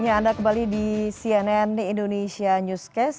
ya anda kembali di cnn indonesia newscast